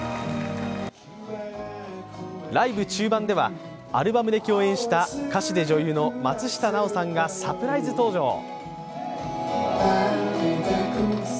ライブ中盤ではアルバムで共演した歌手で女優の松下奈緒さんがサプライズ登場。